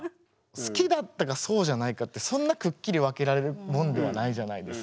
好きだったかそうじゃないかってそんなくっきり分けられるもんではないじゃないですか。